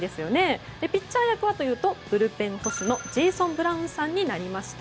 ピッチャー役はブルペン捕手のジェイソン・ブラウンさんになりました。